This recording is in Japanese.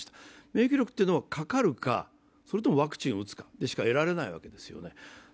免疫力というのは、かかるか、それともワクチンを打つしか得られないわけですよね。